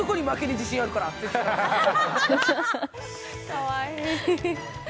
かわいい。